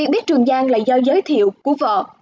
biết trường giang là do giới thiệu của vợ